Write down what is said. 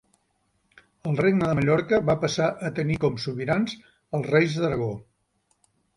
El regne de Mallorca va passar a tenir com sobirans als reis d'Aragó.